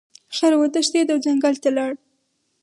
خر وتښتید او ځنګل ته لاړ.